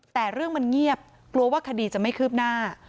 แต่เรื่องมันเงียบกลัวว่าคดีจะไม่คืบหน้า